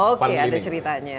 oke ada ceritanya